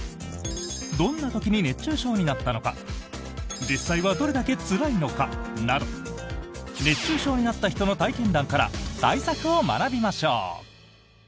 どんな時に熱中症になったのか実際はどれだけつらいのかなど熱中症になった人の体験談から対策を学びましょう。